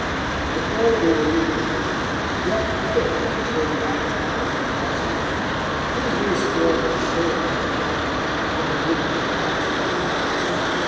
"In the fall of '88, I think, Yup Cook played right tackle on the Varsity. He was very strong in his shoulders and arms and had the grip of a blacksmith.